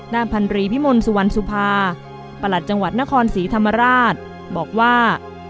พันรีพิมลสุวรรณสุภาประหลัดจังหวัดนครศรีธรรมราชบอกว่า